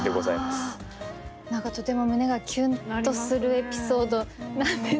何かとても胸がキュンとするエピソードなんですけど。